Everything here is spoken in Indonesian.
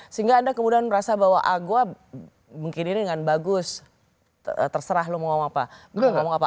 sehingga anda kemudian merasa bahwa ah gue mungkin ini dengan bagus terserah lo mau ngomong apa ngomong apa